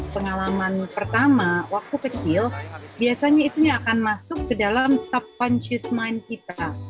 pengalaman pertama waktu kecil biasanya itu yang akan masuk ke dalam subcontious mind kita